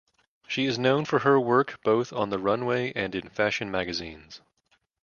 She is known for her work both on the runway and in fashion magazines.